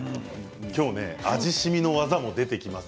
今日は味しみの技も出てきます。